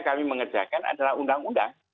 kami mengerjakan adalah undang undang